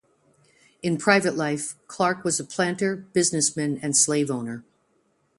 In private life, Clark was a planter, businessman and slave owner.